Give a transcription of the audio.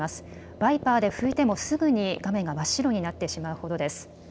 ワイパーで拭いてもすぐに画面が真っ白になってしまうほどです。